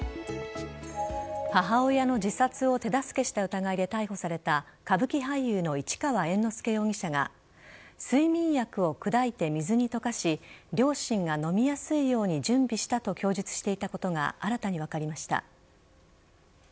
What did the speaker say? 母親の自殺を手助けした疑いで逮捕された歌舞伎俳優の市川猿之助容疑者が睡眠薬を砕いて水に溶かし両親が飲みやすいように準備したと供述していたことが新たに分かりました。